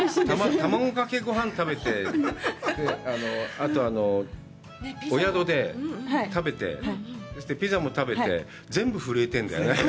卵かけごはん食べて、あと、お宿で食べて、そしてピザも食べて、全部震えてんだよね。